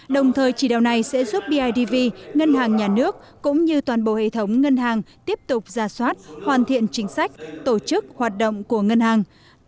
đồng thời chỉ đạo này sẽ giúp bidv ngân hàng nhà nước cũng như toàn bộ hệ thống ngân hàng tiếp tục ra soát hoàn thiện chính sách tổ chức hoạt động của ngân hàng